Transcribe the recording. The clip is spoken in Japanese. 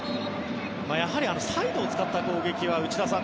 やはりサイドを使った攻撃は内田さん